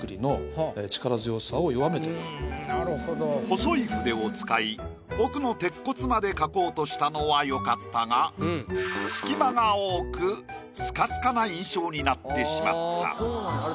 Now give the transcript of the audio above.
細い筆を使い奥の鉄骨まで描こうとしたのはよかったが隙間が多くスカスカな印象になってしまった。